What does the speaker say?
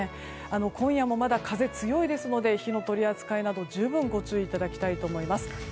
今夜も風が強いですので火の取り扱いなど十分ご注意いただきたいと思います。